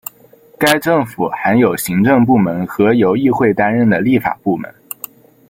该政府含有行政部门和由议会担任的立法部门。